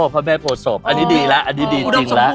พระแม่โภษบอันนี้ดีแล้วอันนี้ดีจริงแล้ว